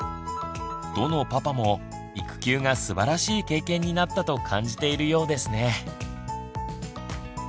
どのパパも育休がすばらしい経験になったと感じているようですね。